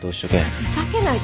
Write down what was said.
ふざけないで。